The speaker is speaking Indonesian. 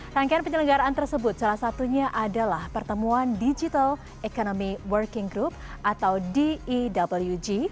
rangkaian penyelenggaraan tersebut salah satunya adalah pertemuan digital economy working group atau dewg